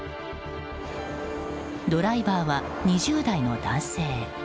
ドライバーは、２０代の男性。